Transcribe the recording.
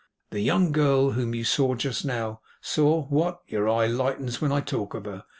The young girl whom you just now saw what! your eye lightens when I talk of her!